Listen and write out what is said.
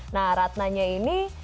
nah ratnanya ini